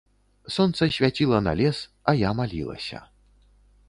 Сонца свяціла на лес, а я малілася.